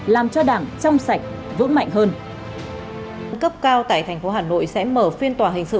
làm cho đảng trong sạch vững mạnh hơn